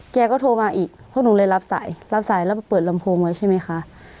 แกก็โทรมาอีกพวกหนูเลยรับสายรับสายแล้วเปิดลำโพงไว้ใช่ไหมคะ